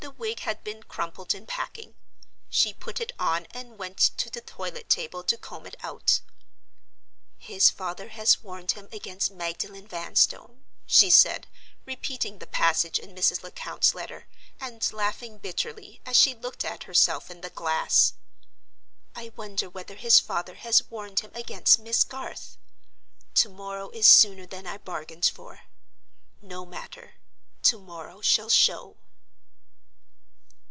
The wig had been crumpled in packing; she put it on and went to the toilet table to comb it out. "His father has warned him against Magdalen Vanstone," she said, repeating the passage in Mrs. Lecount's letter, and laughing bitterly, as she looked at herself in the glass. "I wonder whether his father has warned him against Miss Garth? To morrow is sooner than I bargained for. No matter: to morrow shall show."